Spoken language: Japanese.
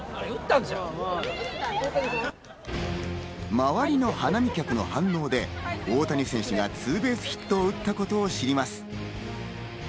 周りの花見客の反応で、大谷選手がツーベースヒットを打ったことを知ります。